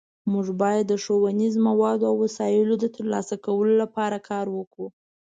مونږ باید د ښوونیزو موادو او وسایلو د ترلاسه کولو لپاره کار وکړو